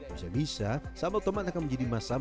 bisa bisa sambal tomat akan menjadi masam